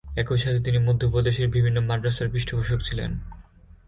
একইসাথে তিনি মধ্যপ্রদেশের বিভিন্ন মাদ্রাসার পৃষ্ঠপোষক ছিলেন।